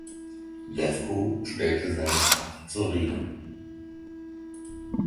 Lewko stellt seinen Vater zur Rede.